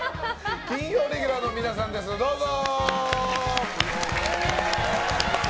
金曜レギュラーの皆さんどうぞ！